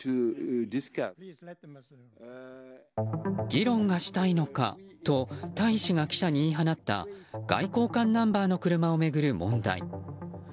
議論がしたいのかと大使が記者に言い放った外交官ナンバーの車を巡る問題。